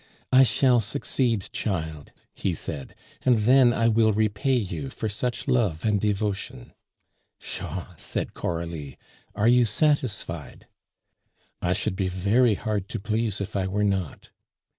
"I shall succeed, child," he said, "and then I will repay you for such love and devotion." "Pshaw!" said Coralie. "Are you satisfied?" "I should be very hard to please if I were not."